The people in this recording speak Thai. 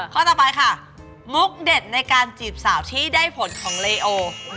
ข้อต่อไปค่ะมุกเด็ดในการจีบสาวที่ได้ผลของเลโอ